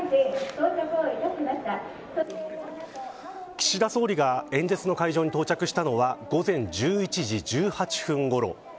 岸田総理が演説の会場に到着したのは午前１１時１８分ごろ。